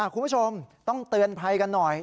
คุณผู้ชมต้องเตือนภัยกันหน่อย